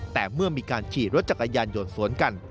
แต่เมื่อมีการขี่รถจักรยานยนต์สวนกัน